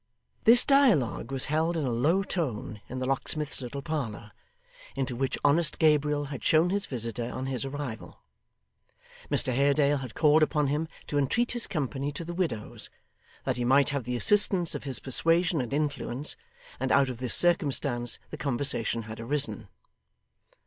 This dialogue was held in a low tone in the locksmith's little parlour, into which honest Gabriel had shown his visitor on his arrival. Mr Haredale had called upon him to entreat his company to the widow's, that he might have the assistance of his persuasion and influence; and out of this circumstance the conversation had arisen.